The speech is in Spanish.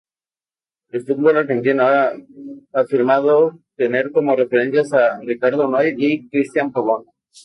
Del fútbol argentino ha afirmado tener como referentes a Ricardo Noir y Cristian Pavón.